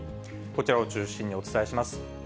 こちらを中心にお伝えします。